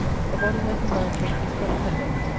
A body like a mountain is but cumber.